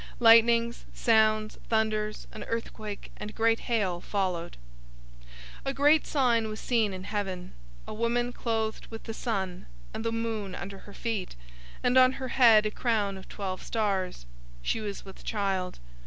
Lightnings, sounds, thunders, an earthquake, and great hail followed. 012:001 A great sign was seen in heaven: a woman clothed with the sun, and the moon under her feet, and on her head a crown of twelve stars. 012:002 She was with child.